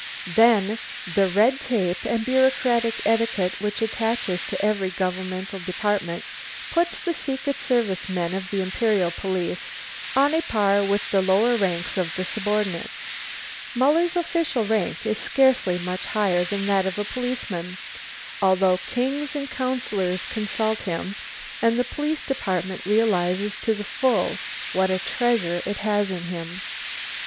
Then, the red tape and bureaucratic etiquette which attaches to every governmental department, puts the secret service men of the Imperial police on a par with the lower ranks of the subordinates. Muller's official rank is scarcely much higher than that of a policeman, although kings and councillors consult him and the Police Department realises to the full what a treasure it has in him.